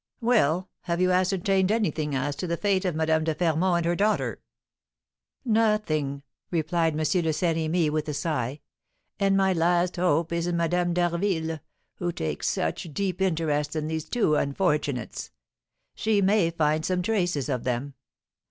"Well, have you ascertained anything as to the fate of Madame de Fermont and her daughter?" "Nothing!" replied M. de Saint Remy, with a sigh. "And my last hope is in Madame d'Harville, who takes such deep interest in these two unfortunates; she may find some traces of them.